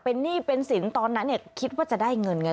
เป็นหนี้เป็นสินตอนนั้นเนี่ยคิดว่าจะได้เงินไง